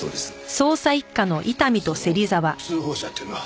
その通報者っていうのは？